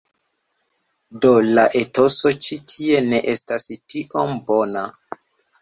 Do, la etoso ĉi tie ne estas tiom bona